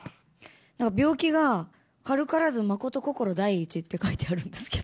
なんか病気が軽からず、まことごころ第一って書いてあるんですけど。